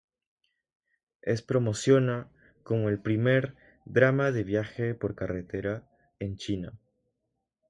Es promociona como el primer "drama de viaje por carretera" en China.